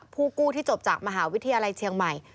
ผู้กู้ที่จบจากมหาวิทยาลัยเชียงใหม่